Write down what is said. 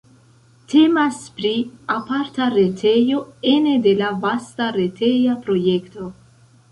Temas pri aparta retejo ene de la vasta reteja projekto.